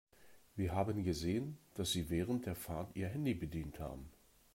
Wir haben gesehen, dass Sie während der Fahrt Ihr Handy bedient haben.